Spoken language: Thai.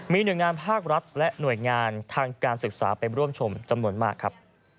มีหน่วยงานภาครัฐและหน่วยงานทางการศึกษาไปร่วมชมจำนวนมากครับ